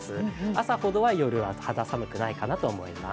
朝ほどは夜は肌寒くないかなと思います。